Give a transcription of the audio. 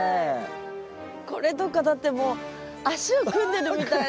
これとかだってもう足を組んでるみたいな。